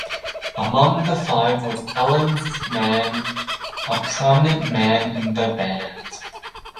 Among the five was Ellen's Man, a prominent man in the band.